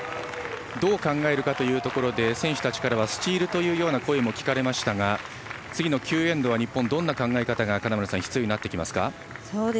どう考えるかというところで選手たちからはスチールという声も聞かれましたが次の９エンドは日本、どんな考え方が金村さん、必要になりますか。